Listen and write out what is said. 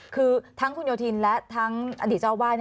คือทั้งคุณโยธินและทั้งอดีตเจ้าวาด